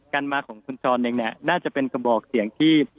การมาของคุณช้อนเองเนี่ยน่าจะเป็นกระบอกเสียงที่